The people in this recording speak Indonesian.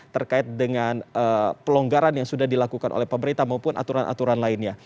terkait dengan pelonggaran yang sudah dilakukan oleh pemerintah maupun aturan aturan lainnya